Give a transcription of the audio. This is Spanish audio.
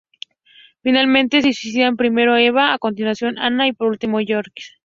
Finalmente, se suicidan, primero Eva, a continuación, Anna, y, por último, Georg.